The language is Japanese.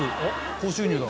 高収入だ。